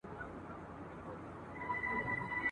لکه نه چي وي روان داسي پر لار ځي !.